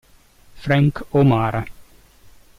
Frank O'Mara